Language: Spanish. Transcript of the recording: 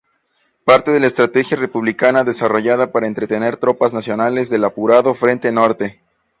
Parte de la estrategia republicana desarrollada para entretener tropas nacionales del apurado Frente Norte.